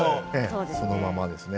そのままですね。